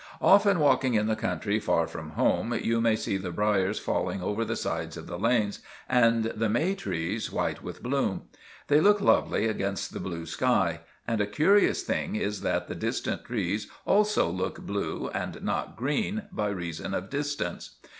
"'Often, walking in the country far from home, you may see the briars falling over the sides of the lanes, and the may trees white with bloom. They look lovely against the blue sky; and a curious thing is that the distant trees also look blue, and not green, by reason of distance.